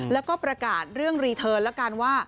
แล้วก็ประกาศเรื่องรีเทิร์นแล้วกันว่า